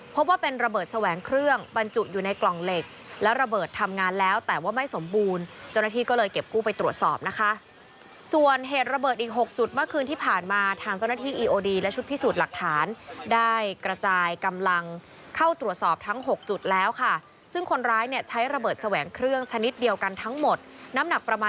พบว่าเป็นระเบิดแสวงเครื่องบรรจุอยู่ในกล่องเหล็กและระเบิดทำงานแล้วแต่ว่าไม่สมบูรณ์เจ้าหน้าที่ก็เลยเก็บกู้ไปตรวจสอบนะคะส่วนเหตุระเบิดอีกหกจุดเมื่อคืนที่ผ่านมาทางเจ้าหน้าที่อีโอดีและชุดพิสูจน์หลักฐานได้กระจายกำลังเข้าตรวจสอบทั้งหกจุดแล้วค่ะซึ่งคนร้ายเนี่ยใช้ระเบิดแสวงเครื่องชนิดเดียวกันทั้งหมดน้ำหนักประมาณ